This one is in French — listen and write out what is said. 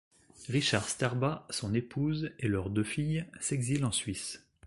Richard Sterba, son épouse et leurs deux filles, s'exilent en Suisse.